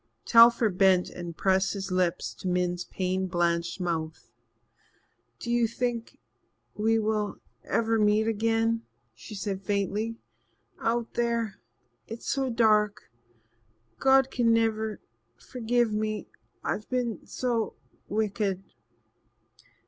Telford bent and pressed his lips to Min's pain blanched mouth. "Do you think we will ever meet again?" she said faintly. "Out there it's so dark God can never forgive me I've been so wicked."